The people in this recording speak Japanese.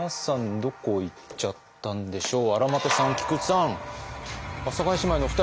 どこ行っちゃったんですか？